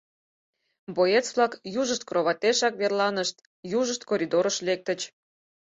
Боец-влак южышт кроватешак верланышт, южышт коридорыш лектыч.